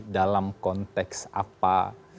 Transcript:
dalam konteks apa